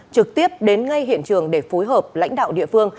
trực tiếp đến ngay hiện trường để phối hợp lãnh đạo địa phương